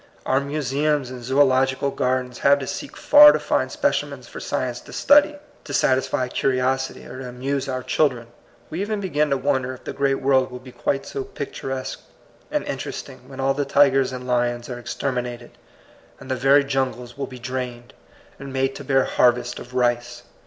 Our museums and zoological gardens have to seek far to find specimens for science to study, to satisfy curiosity, or to amuse our children. We even begin to won der if the great world will be quite so picturesque and interesting when all the tigers and lions are exterminated, and the very jungles will be drained, and made to bear harvests of rice.